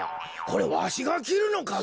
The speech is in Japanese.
これわしがきるのか？